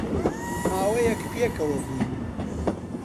ماوەیەک پێکەوە بووین